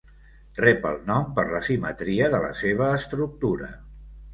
Rep el nom per la simetria de la seva estructura.